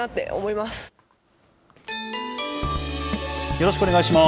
よろしくお願いします。